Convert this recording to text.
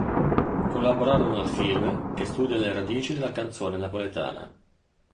Collaborano al film, che studia le radici della canzone napoletana.